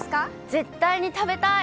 絶対に食べたい。